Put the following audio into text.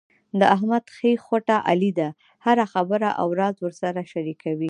د احمد ښۍ خوټه علي دی، هره خبره او راز ورسره شریکوي.